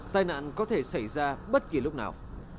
tai nạn có thể xảy ra bất kỳ lúc nào